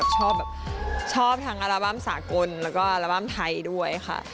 ชอบแบบชอบทั้งอัลบั้มสากลแล้วก็อัลบั้มไทยด้วยค่ะ